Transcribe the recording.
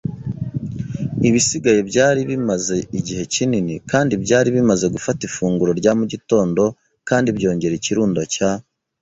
Ibisigaye byari bimaze igihe kinini kandi byari bimaze gufata ifunguro rya mugitondo kandi byongera ikirundo cya